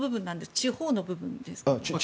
地方の部分ですか。